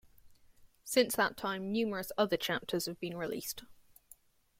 Since that time, numerous other chapters have been released.